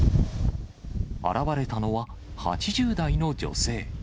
現れたのは、８０代の女性。